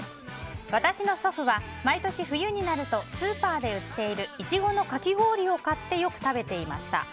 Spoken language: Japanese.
私の祖父は毎年冬になるとスーパーで売っているイチゴのかき氷を買ってよく食べていました。